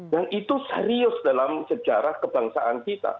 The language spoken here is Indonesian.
dan itu serius dalam sejarah kebangsaan kita